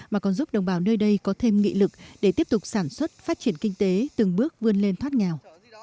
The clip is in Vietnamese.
mà còn giúp đồng bào nơi đây có thêm nghị lực để tiếp tục sản xuất phát triển kinh tế từng bước vươn lên thoát nghèo